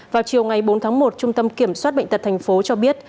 vào chiều ngày bốn tháng một trung tâm kiểm soát bệnh tật thành phố cho biết